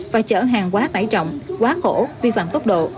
và chở hàng quá tải trọng quá khổ vi phạm tốc độ